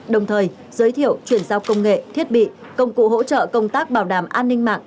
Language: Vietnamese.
đồng thời giới thiệu chuyển giao công nghệ thiết bị công cụ hỗ trợ công tác bảo đảm an ninh mạng